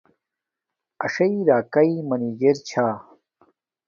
اݽݵ راکاݵ منجر چھا